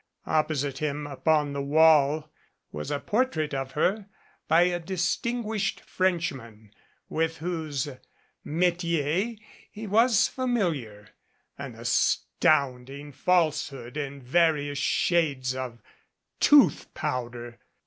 Opposite him upon the wall was a portrait of her by a distinguished Frenchman, with whose metier he was fa miliar an astounding falsehood in various shades of tooth powder.